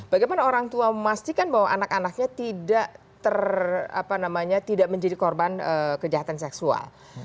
bagaimana orang tua memastikan bahwa anak anaknya tidak ter apa namanya tidak menjadi korban kejahatan seksual